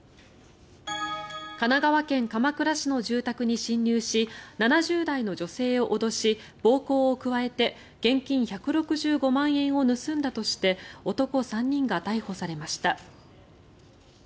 神奈川県鎌倉市の住宅に侵入し７０代の女性を脅し暴行を加えて現金１６５万円を盗んだとして男３人が逮捕されました。